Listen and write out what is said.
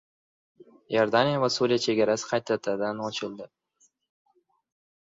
Iordaniya va Suriya chegarasi qaytadan ochildi